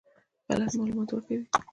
غلط معلومات ورکوي.